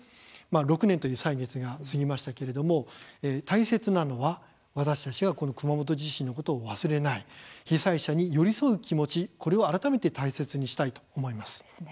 ６年という歳月が過ぎましたけれども大切なのは、私たちがこの熊本地震のことを忘れない被災者に寄り添う気持ち、これを改めて大切にしたいと思います。